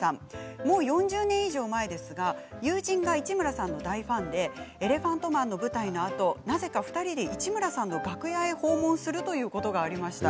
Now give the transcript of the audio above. もう４０年以上前ですが友人が市村さんの大ファンで「エレファントマン」の舞台のあと、なぜか２人で市村さんの楽屋を訪問するということがありました。